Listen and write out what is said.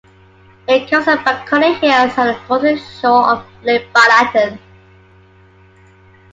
It covers the Bakony hills and the northern shore of Lake Balaton.